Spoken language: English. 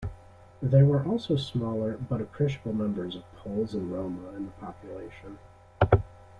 There were also smaller but appreciable numbers of Poles and Roma in the population.